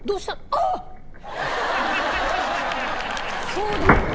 そうだった。